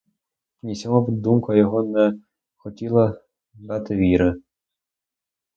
Ні, сьому думка його не хотіла дати віри!